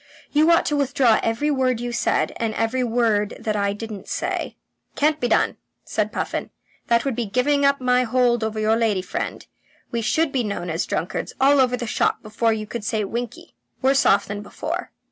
You ought to withdraw every word you said, and I every word that I didn't say." "Can't be done," said Puffin. "That would be giving up my hold over your lady friend. We should be known as drunkards all over the shop before you could say winkie. Worse off than before."